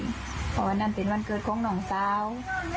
เพราะว่านั่นเป็นวันเกิดของน้องสาว